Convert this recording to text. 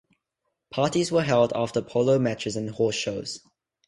Parties were held after polo matches and horse shows.